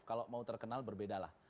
kalau mau terkenal berbeda lah